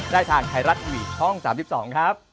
ได้ทางไทยรัฐทีวีช่อง๓๒ครับ